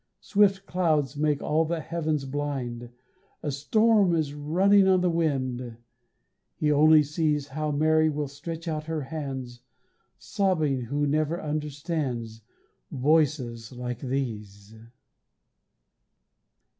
Swift clouds make all the heavens blind, A storm is running on the wind He only sees How Mary will stretch out her hands Sobbing, who never understands Voices like these.